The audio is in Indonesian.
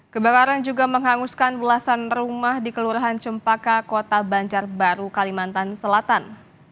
kebakaran juga menghanguskan belasan rumah di kelurahan cempaka kota banjarbaru kalimantan selatan